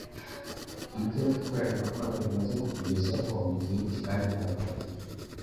Ibyo ikoranabuhanga rimaze kutugezaho ni byinshi kandi birafatika.